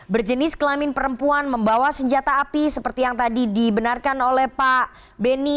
berjenis kelamin perempuan membawa senjata api seperti yang tadi dibenarkan oleh pak beni